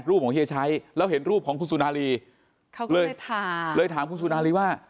รูปของเฮียชัยแล้วเห็นรูปของคุณสุนารีเลยถามคุณสุนารีว่า